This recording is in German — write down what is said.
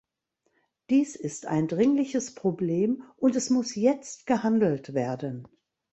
Dies ist ein dringliches Problem, und es muss jetzt gehandelt werden.